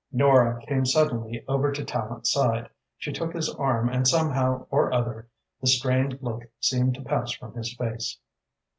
Nora came suddenly over to Tallente's side. She took his arm and somehow or other the strained look seemed to pass from his face.